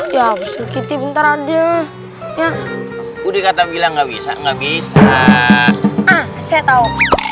ya betul betul bentar aja udah kata bilang nggak bisa nggak bisa ah saya tahu